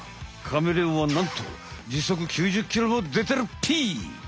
カメレオンはなんとじそく９０キロも出てるってい！